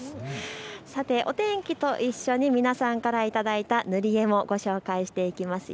さて、お天気と一緒に皆さんから頂いた塗り絵もご紹介していきますよ。